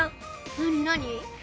何何？